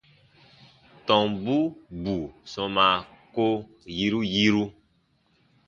Tɔmbu bù sɔmaa ko yiru yiru.